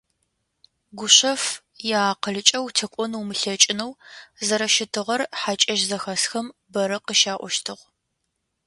Гушъэф иакъылкӏэ утекӏон умылъэкӏынэу зэрэщытыгъэр хьакӏэщ зэхэсхэм бэрэ къыщаӏощтыгъ.